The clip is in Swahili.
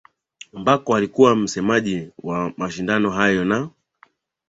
Ambako alikuwa mchezaji wa mashindano hayo na